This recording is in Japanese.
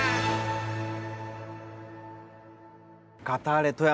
カターレ富山